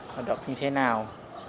và đọc như thế nào